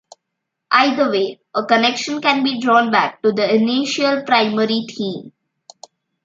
Either way, a connection can be drawn back to the initial primary theme.